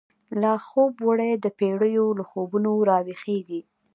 لا خوب وړی دپیړیو، له خوبونو را وښیږیږی